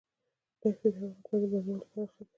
دښتې د افغانستان د بڼوالۍ برخه ده.